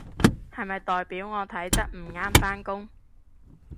係咪代表我體質唔啱返工？